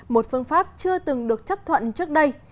một phương pháp chưa từng được chấp thuận trước đây